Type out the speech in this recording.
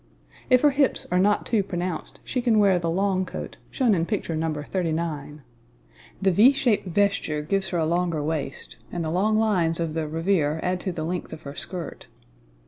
[Illustration: NOS. 38 AND 39] If her hips are not too pronounced she can wear the long coat, shown in picture No. 39. The V shaped vesture gives her a longer waist, and the long lines of the revers add to the length of her skirt.